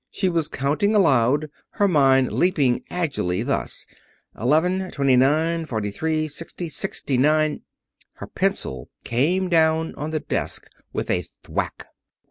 She was counting aloud, her mind leaping agilely, thus: "Eleven, twenty nine, forty three, sixty, sixty nine " Her pencil came down on the desk with a thwack.